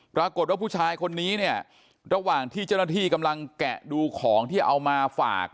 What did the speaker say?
ปรากฏว่าผู้ชายคนนี้เนี่ยระหว่างที่เจ้าหน้าที่กำลังแกะดูของที่เอามาฝาก